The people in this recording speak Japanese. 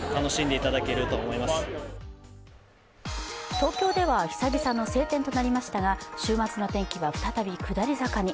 東京では久々の晴天となりましたが週末の天気は再び下り坂に。